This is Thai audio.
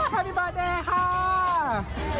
ฮัพพี่บอร์แดค่ะ